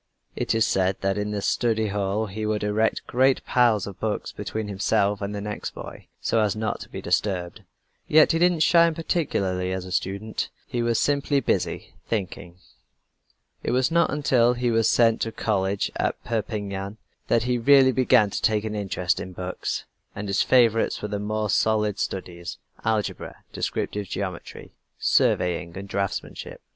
It is said that in the study hall he would erect a great pile of books between himself and the next boy, so as not to be disturbed. Yet he didn't shine particularly as a student. He was simply busy thinking. It was not until he was sent to college at Perpignan, that he really began to take an interest in books, and his favorites were the more solid studies algebra, descriptive geometry, surveying, and draftsmanship.